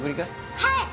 はい！